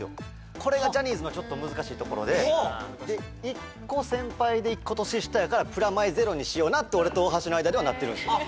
これがジャニーズのちょっと難しいところで１個先輩で１個年下やからプラマイゼロにしようなって俺と大橋の間ではなってるんですよ